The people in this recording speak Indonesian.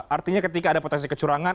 artinya ketika ada potensi kecurangan